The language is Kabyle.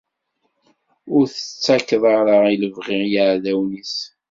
Ur t-tettakeḍ ara i lebɣi n yiɛdawen-is.